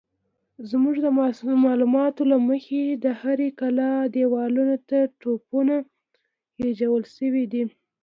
زموږ د معلوماتو له مخې د هرې کلا دېوالونو ته توپونه خېژول شوي دي.